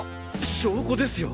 証拠ですよ！